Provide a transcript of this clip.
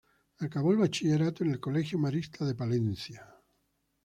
Acabó el bachillerato en el colegio Marista de Palencia.